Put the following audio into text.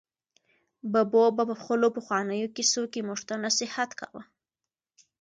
ببو په خپلو پخوانیو کیسو کې موږ ته نصیحت کاوه.